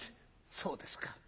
「そうですか。